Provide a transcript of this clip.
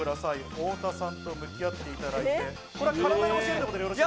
太田さんと向き合っていただいて。